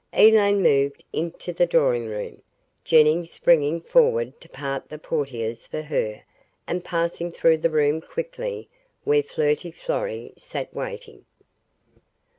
Elaine moved into the drawing room, Jennings springing forward to part the portieres for her and passing through the room quickly where Flirty Florrie sat waiting.